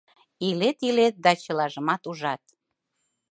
Илет-илет да чылажымат ужат.